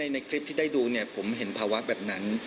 ในคลิปที่ได้ดูผมเห็นภาวะแบบนั้น